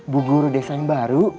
bu guru desa yang baru